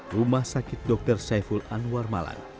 rumah sakit dr saiful anwar malang